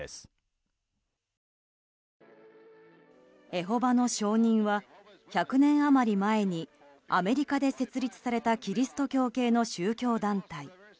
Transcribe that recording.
エホバの証人は１００年余り前にアメリカで設立されたキリスト教系の宗教団体。